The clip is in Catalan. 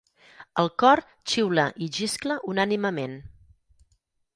El cor xiula i xiscla unànimement.